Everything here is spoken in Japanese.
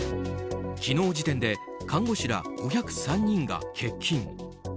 昨日時点で看護師ら５０３人が欠勤。